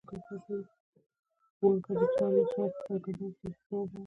په همدې چرتونو کې وم.